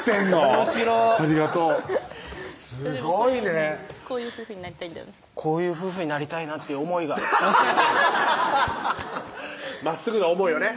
おもしろありがとうすごいねこういう夫婦になりたいこういう夫婦になりたいなっていう思いがまっすぐな思いをね